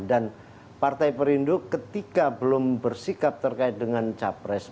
dan partai perindo ketika belum bersikap terkait dengan capres